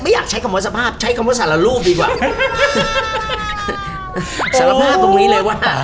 ไม่อยากใช้คำว่าสภาพใช้คำว่าสารรูปดีกว่า